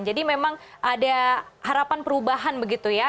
jadi memang ada harapan perubahan begitu ya